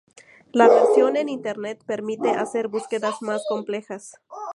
La versión en internet permite hacer búsquedas más complejas.